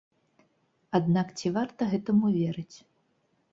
Аднак ці варта гэтаму верыць?